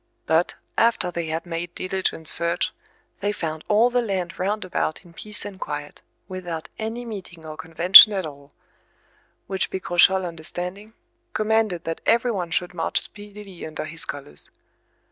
But, after they had made diligent search, they found all the land round about in peace and quiet, without any meeting or convention at all; which Picrochole understanding, commanded that everyone should march speedily under his colours.